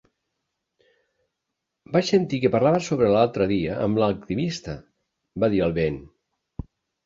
"Vaig sentir que parlaves sobre l'altre dia amb l'alquimista", va dir el vent.